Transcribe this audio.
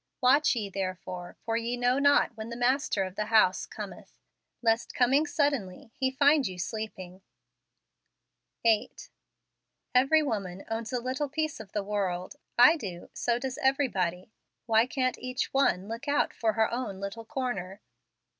" Watch ye, therefore; for ye know not when the master of the house cometh — Lest coming suddenly, he find you sleeping 8. Every woman owns a little piece of the world; I do, so does everybody, why can't each one look out for her own little corner